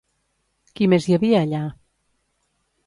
Qui més hi havia, allà?